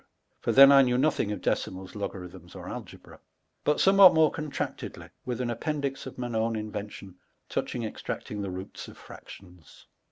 (for then I knew nothing of decimals, logarithms, or algebra,) but somewhat more contraetedly, with an appendix of mine owns invention, touching extnurting the roots of fractions.